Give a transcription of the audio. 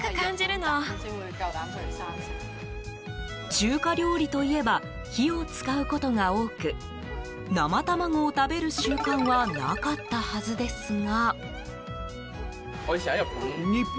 中華料理といえば火を使うことが多く生卵を食べる習慣はなかったはずですが。